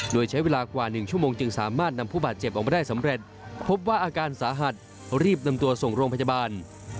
โดยใช้เวลากว่า๑ชั่วโมงจึงสามารถนำผู้บาดเจ็บออกมาได้สำเร็จพบว่าอาการสาหัสรีบนำตัวส่งโรงพยาบาล